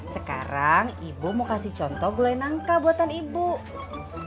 sekarang ibu mau kasih contoh gulai nangka buatan ibu